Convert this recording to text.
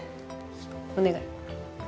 お願い。